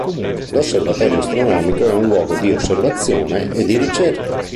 L'osservatorio astronomico è un luogo di osservazione e di ricerca.